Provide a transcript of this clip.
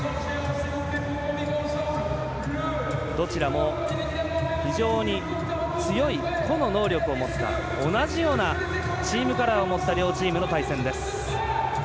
どちらも非常に強い個の能力を持った同じようなチームカラーを持った両チームの対戦です。